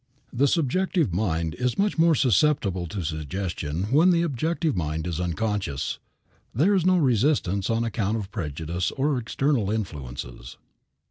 The subjective mind is much more susceptible to suggestion when the objective mind is unconscious. There is no resistance on account of prejudice or external influences.